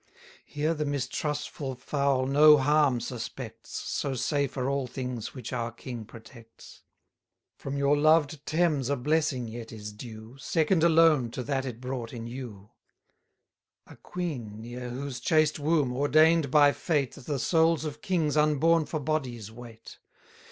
Here the mistrustful fowl no harm suspects, So safe are all things which our king protects. From your loved Thames a blessing yet is due, Second alone to that it brought in you; A queen, near whose chaste womb, ordain'd by fate, The souls of kings unborn for bodies wait.